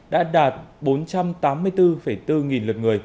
đã đạt bốn trăm tám mươi bốn bốn tỷ usd